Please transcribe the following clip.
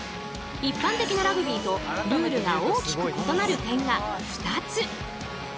一般的なラグビーとルールが大きく異なる点が２つ。